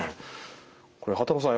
これ波多野さん